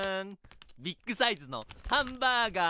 ビッグサイズのハンバーガー。